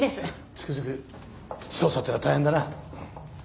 つくづく捜査ってのは大変だな。